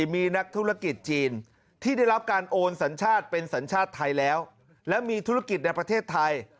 มีนักธุรกิจจีนที่ได้รับการโอนสัญชาติเป็นสัญชาติไทยแล้วและมีธุรกิจในประเทศไทย